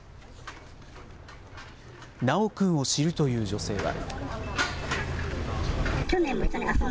修くんを知るという女性は。